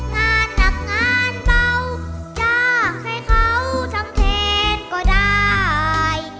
งานหนักงานเบาอยากให้เขาทำแทนก็ได้